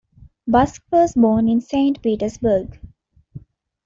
Busk was born in Saint Petersburg.